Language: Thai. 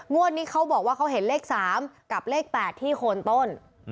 นี้เขาบอกว่าเขาเห็นเลข๓กับเลข๘ที่โคนต้น